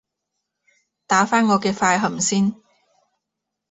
打返我嘅快含先